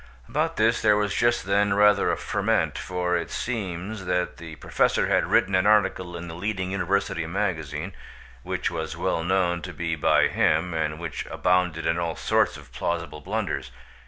About this there was just then rather a ferment, for it seems that the Professor had written an article in the leading university magazine, which was well known to be by him, and which abounded in all sorts of plausible blunders.